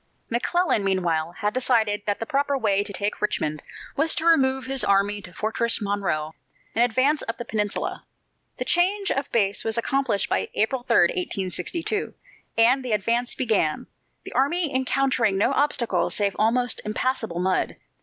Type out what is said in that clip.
McClellan, meanwhile, had decided that the proper way to take Richmond was to remove his army to Fortress Monroe and advance up the peninsula. The change of base was accomplished by April 3, 1862, and the advance began, the army encountering no obstacle save almost impassable mud.